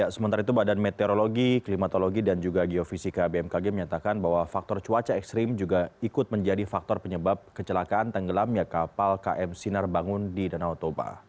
sementara itu badan meteorologi klimatologi dan juga geofisika bmkg menyatakan bahwa faktor cuaca ekstrim juga ikut menjadi faktor penyebab kecelakaan tenggelamnya kapal km sinar bangun di danau toba